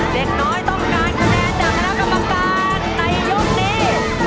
เด็กน้อยต้องการคะแนนจากคณะกรรมการในยกนี้